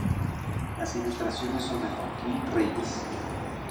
Las ilustraciones son de Joaquín Reyes.